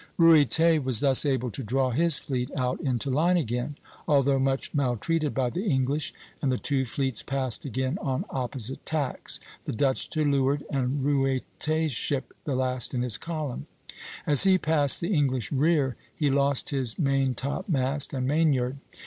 Ruyter was thus able to draw his fleet out into line again, although much maltreated by the English, and the two fleets passed again on opposite tacks, the Dutch to leeward, and Ruyter's ship the last in his column. As he passed the English rear, he lost his maintopmast and mainyard.